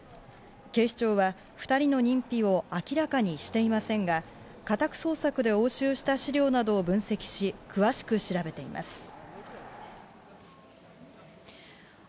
警視庁は２人の認否を明らかにしていませんが、家宅捜索で押収した資料などを分析し、詳しく調べています。